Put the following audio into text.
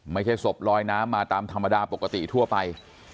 ไม่ใช่ศพลอยน้ำมาตามธรรมดาปกติทั่วไป